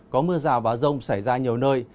có mưa rào và rông xảy ra nhiều nơi